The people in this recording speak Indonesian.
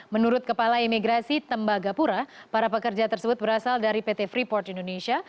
menurut kepala imigrasi tembagapura para pekerja tersebut berasal dari pt freeport indonesia